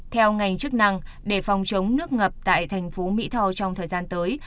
theo ngành chức năng để phòng chống nước ngập tại thành phố mỹ tho trong thời gian tới